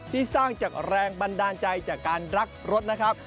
ที่สร้างจากแรงบันดาลใจจากการรักรถนะครับ